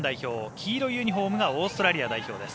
黄色いユニホームがオーストラリア代表です。